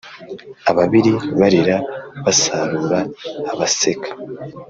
Ababiba barira basarura abaseka